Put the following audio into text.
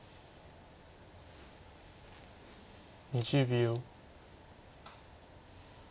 ２０秒。